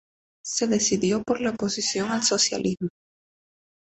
Se decidió por la oposición al socialismo.